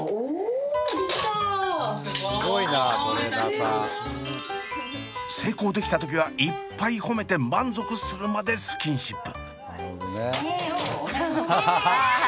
すごい！成功できた時はいっぱい褒めて満足するまでスキンシップ。